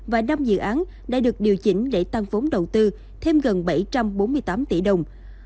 và năm dự án đã được điều chỉnh để tăng vốn đầu tư thêm gần bảy trăm bốn mươi tám tỷ đồng